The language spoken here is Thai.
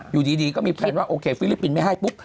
อยู่ดีก็มีแพลนว่าโอเคฟิลิปปินส์ไม่ให้ปุ๊บ